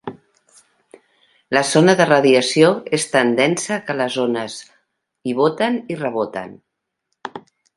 La zona de radiació és tan densa que les ones hi boten i reboten.